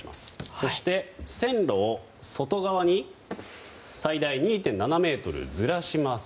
そして、線路を外側に最大２．７ｍずらします。